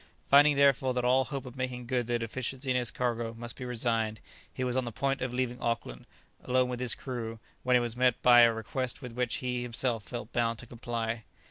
Finding therefore that all hope of making good the deficiency in his cargo must be resigned, he was on the point of leaving Auckland, alone with his crew, when he was met by a request with which he felt himself bound to comply.